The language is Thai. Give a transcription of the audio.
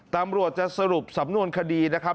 ตำรวจจะสรุปสำนวนคดีนะครับ